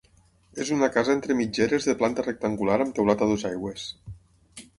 És una casa entre mitgeres de planta rectangular amb teulat a dues aigües.